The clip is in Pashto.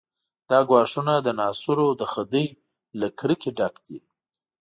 دا ګواښونه د ناصرو د خدۍ له کرکې ډک دي.